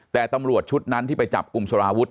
แต่ตำรวจชุดนั้นที่ไปจับกลุ่มสารวุฒิ